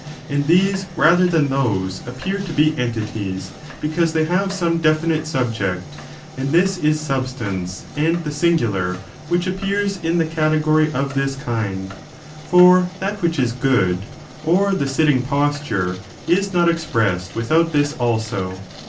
And these rather than those appear to be entities, because they have some definite subject, and this is substance, and the singular which appears in the category of this kind ; for that which is good, or the sitting posture, is not expressed without this^ also.